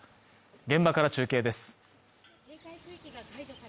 現場から中継です